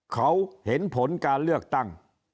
เขาเห็นผลการเลือกตั้ง